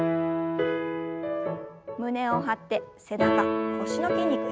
胸を張って背中腰の筋肉引き締めます。